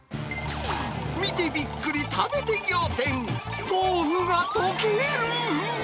見てびっくり、食べて仰天、豆腐が溶ける？